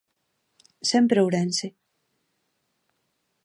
Sempre Ourense.